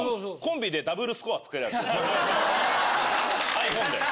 ｉＰｈｏｎｅで。